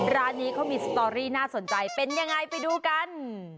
ร้านนี้เขามีสตอรี่น่าสนใจเป็นยังไงไปดูกัน